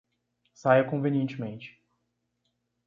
Saia convenientemente.